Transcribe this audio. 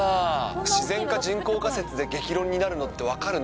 自然か人工か説で激論になるのって分かるな。